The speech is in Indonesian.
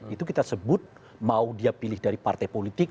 itu kita sebut mau dia pilih dari partai politik